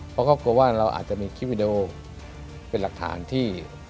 เพราะเขากลัวว่าเราอาจจะมีคลิปวิดีโอเป็นหลักฐานที่